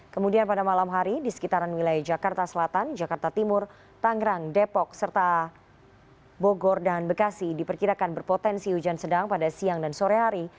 kemudian pada malam hari di sekitaran wilayah jakarta selatan jakarta timur tangerang depok serta bogor dan bekasi diperkirakan berpotensi hujan sedang pada siang dan sore hari